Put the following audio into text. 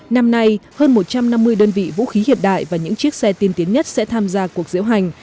năm nay hơn một trăm năm mươi đơn vị vũ khí hiện đại và những chiếc xe tiên tiến nhất sẽ tham gia cuộc diễu hành